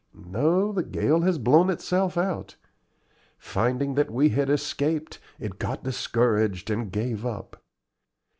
"No, the gale has blown itself out. Finding that we had escaped, it got discouraged and gave up.